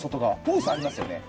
ホースありますよね？